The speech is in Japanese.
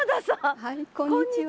はいこんにちは。